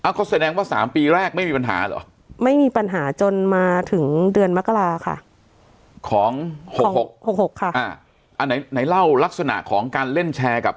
หกหกหกหกค่ะอ่าอ่าไหนไหนเล่าลักษณะของการเล่นแชร์กับ